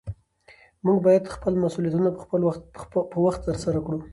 موږ باید خپل مسؤلیتونه په وخت ترسره کړو